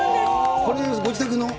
これ、ご自宅の？